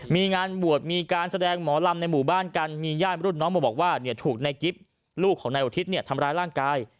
มีงานบวชมีการแสดงหมอลำในหมู่บ้านกันมีญาติรุ่นน้องมาบอกว่าถูกในกิฟต์ลูกของนายอุทิศทำร้ายร่างกาย